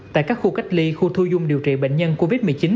tại các khu cách ly khu thu dung điều trị bệnh nhân covid một mươi chín